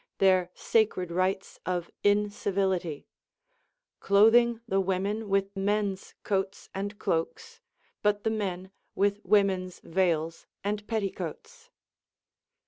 their sacred rites of incivility), cloth ing the women with men's coats and cloaks, but the men with women's veils and petticoats.